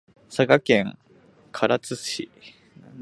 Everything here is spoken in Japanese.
佐賀県唐津市